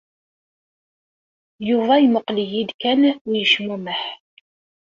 Yuba yemmuqqel-iyi-d kan u yecmumeḥ.